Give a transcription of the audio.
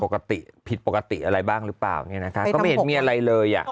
ปกติผิดปกติอะไรบ้างหรือเปล่าเนี่ยนะคะก็ไม่เห็นมีอะไรเลยอ่ะ